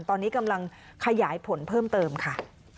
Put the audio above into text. ตอนนี้กำลังขยายผลเพิ่มเติมค่ะ